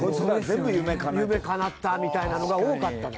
夢叶ったみたいなのが多かったの。